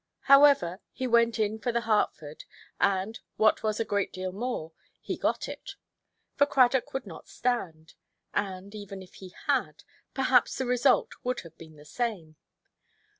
However, he went in for the Hertford, and, what was a great deal more, he got it; for Cradock would not stand; and, even if he had, perhaps the result would have been the same.